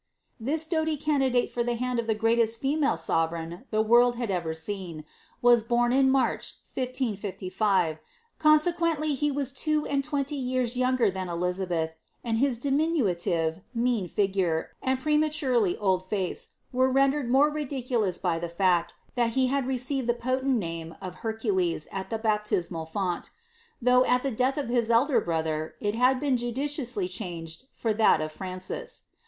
This doQghiy candidate for the hand of the greatest female sovereigii Ibe world had ever aeen, was born in March, 1555, consequently be waa two and twenty years younger than Elizabeth, and his diminutive, itiean figure, and prematueiy old fact, were rendered more ridicnloui by the feet that he had received the potent name of Hercules at the bap tisnml font ; though, Kt the death of his elder brother, it had been judi ciously changed for that of Francis.